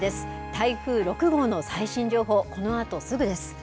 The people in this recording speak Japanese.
台風６号の最新情報、このあとすぐです。